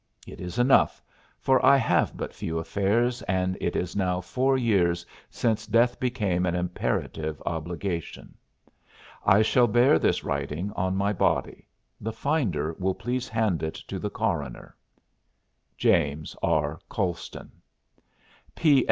It is enough, for I have but few affairs and it is now four years since death became an imperative obligation. "I shall bear this writing on my body; the finder will please hand it to the coroner. "JAMES R. COLSTON.